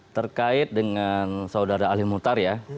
terkait dengan saudara ali muhtar ya